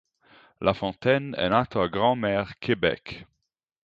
Lafontaine è nato a Grand-Mère, Quebec.